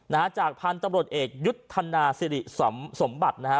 นะฮะจากพันธุ์ตำรวจเอกยุทธนาสิริมสมบัตินะฮะ